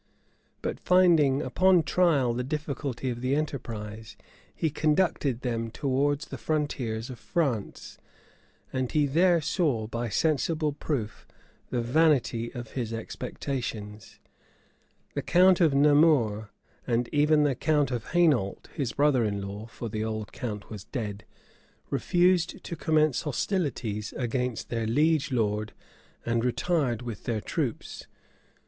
[*] But finding, upon trial, the difficulty of the enterprise, he conducted them towards the frontiers of France; and he there saw, by a sensible proof, the vanity of his expectations: the count of Namur, and even the count of Hainault, his brother in law (for the old count was dead,) refused to commence hostilities against their liege lord, and retired with their troops.